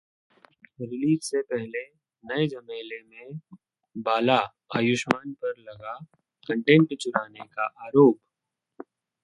release से पहले नए झमेले में बाला, आयुष्मान पर लगा कंटेंट चुराने का आरोप